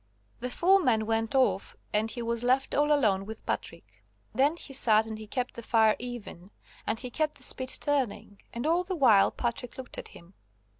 The four men went off, and he was left all alone with Patrick. Then he sat and he kept the fire even, and he kept the spit turning, and all the while Patrick looked at him.